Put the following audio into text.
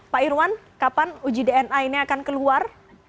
pak irwan kapan uji dna ini akan keluar